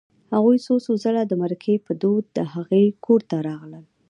هغوی څو څو ځله د مرکې په دود د هغوی کور ته راغلل